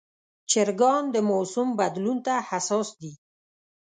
چرګان د موسم بدلون ته حساس دي.